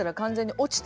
落ちた。